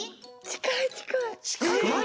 近い？